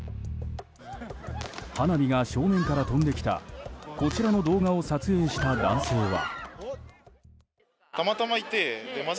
花火が正面から飛んできたこちらの動画を撮影した男性は。